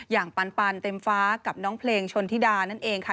อย่างปันปันเต็มฟ้ากับน้องเพลงชนธิดานะเองค่ะ